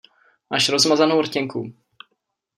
Máš rozmazanou rtěnku.